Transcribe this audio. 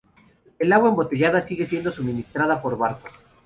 El agua embotellada sigue siendo suministrada por barco.